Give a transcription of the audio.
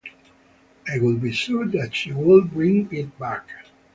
I would be sure that she would bring it back.